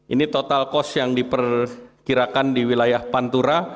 ini total kos yang diperkirakan di wilayah pantura